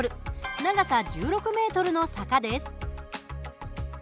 長さ１６ｍの坂です。